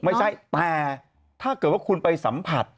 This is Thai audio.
ไม่ใช่แต่ถ้าเกิดว่าคุณไปสัมผัส